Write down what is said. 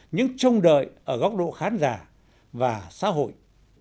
những trông đợi ở góc độ khán giả và xã hội